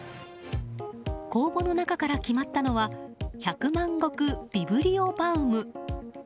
公募の中から決まったのは百万石ビブリオバウム。